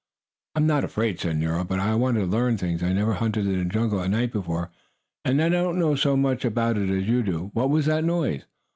"I'm not afraid!" said Nero. "Only, I want to learn things. I never hunted in the jungle at night before, and I don't know so much about it as you do. What was that noise?"